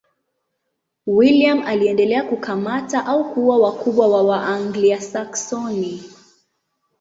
William aliendelea kukamata au kuua wakubwa wa Waanglia-Saksoni.